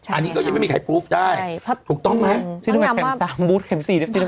อันนี้ก็ยังไม่มีใครปรูฟได้ถูกต้องไหม